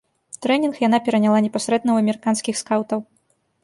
Трэнінг яна пераняла непасрэдна ў амерыканскіх скаўтаў.